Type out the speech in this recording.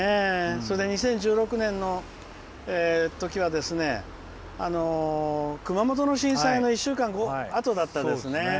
それで、２０１６年の時は熊本の震災の１週間あとでしたね。